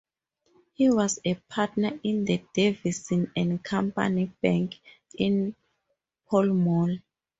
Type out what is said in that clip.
He was a partner in the Davison and Company bank in Pall Mall.